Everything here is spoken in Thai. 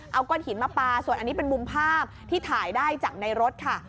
เอาก้อนหินมาปลาส่วนอันนี้เป็นมุมภาพที่ถ่ายได้จากในรถค่ะ